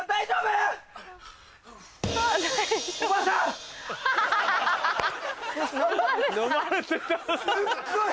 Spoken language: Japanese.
すっごい。